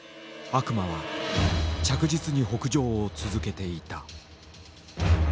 悪魔は着実に北上を続けていた。